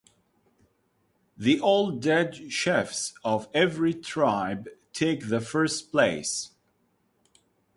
The old dead chiefs of every tribe take the first place.